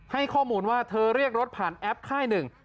ให้ข้อมูลว่าเธอเรียกรถผ่านแอปค่ายหนึ่ง